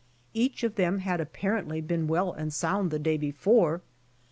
Each of them had apparently been well and sound the day before.